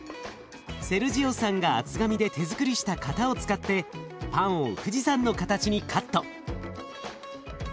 セルジオさんが厚紙で手づくりした型を使ってパンを富士山の形にカット。